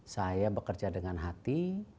saya bekerja dengan hati